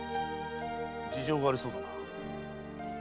事情がありそうだな。